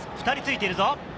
２人ついているぞ。